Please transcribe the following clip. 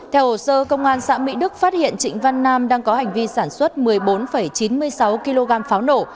theo hồ sơ công an xã mỹ đức phát hiện trịnh văn nam đang có hành vi sản xuất một mươi bốn chín mươi sáu kg pháo nổ